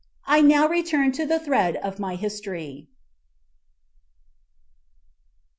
I now return to the thread of my history.